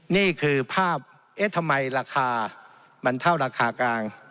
นี่คือภาพเอ๊ะทำไมราคามันเท่าราคากลาง